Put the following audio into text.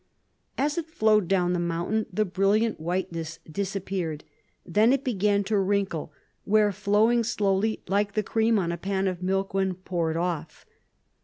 As it flowed down the mountain the brilliant whiteness disappeared. Then it began to wrinkle, where flowing slowly, like the cream on a pan of milk when poured off.